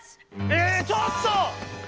ええちょっと！